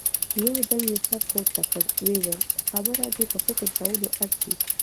يودم يې سر پورته کړ، ويې ويل: خبره دې په فکر کولو ارزي.